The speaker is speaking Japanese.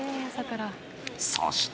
そして。